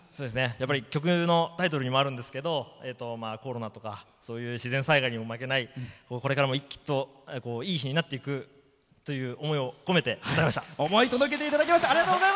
やっぱり曲のタイトルにもあるんですけどコロナとか、そういう自然災害にも負けないこれからも、いい日になっていくという思いを込めて歌いました。